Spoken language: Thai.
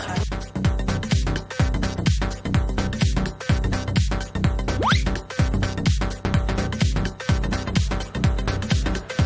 จงที่๓ค่ะเป็นซองนี้เลยเพราะว่าอยากทำที่บีปกก่อนเน็ตเหมือนกันค่ะ